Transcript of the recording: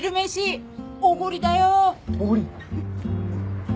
おごり！